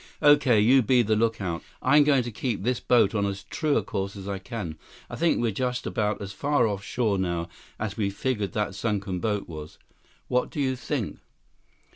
"Okay. You be the lookout. I'm going to keep this boat on as true a course as I can. I think we're just about as far off shore now as we figured that sunken boat was. What do you think?"